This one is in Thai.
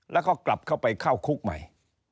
แล้วก็กลับเข้าไปเข้าคุกใหม่